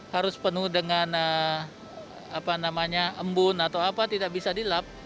harus penuh dengan embun atau apa tidak bisa dilap